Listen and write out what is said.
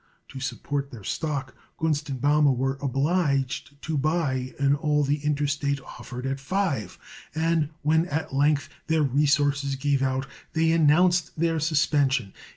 To support their stock Gunst & Baumer were obliged to buy in all the Interstate offered at five, and when at length their resources gave out they announced their suspension.